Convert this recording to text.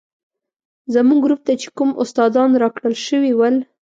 زموږ ګروپ ته چې کوم استادان راکړل شوي ول.